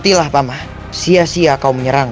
kau sudah menguasai ilmu karang